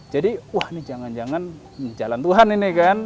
jadi wah ini jangan jangan jalan tuhan ini kan